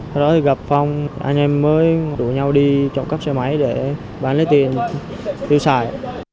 sau đó thì gặp phong anh em mới rủ nhau đi trộm cắp xe máy để bán lấy tiền tiêu xài